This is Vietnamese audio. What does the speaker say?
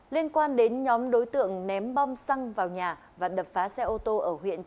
liên quan đến nhóm đối tượng ném bom xăng vào nhà và đập phá xe ô tô ở huyện